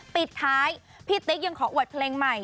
ปิดท้ายพี่ติ๊กยังขออวดเพลงใหม่